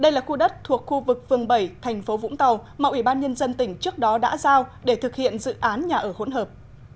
đây là khu đất thuộc khu vực phường bảy thành phố vũng tàu mà ủy ban nhân dân tỉnh trước đó đã giao để thực hiện dự án nhà ở hỗn hợp